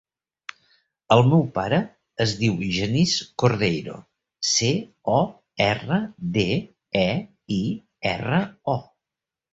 El meu pare es diu Genís Cordeiro: ce, o, erra, de, e, i, erra, o.